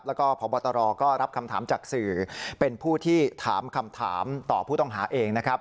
แล้วก็พบตรก็รับคำถามจากสื่อเป็นผู้ที่ถามคำถามต่อผู้ต้องหาเองนะครับ